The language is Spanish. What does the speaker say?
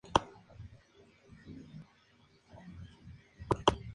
Han viajado frecuentemente alrededor del mundo presentando su espectáculo de talentos.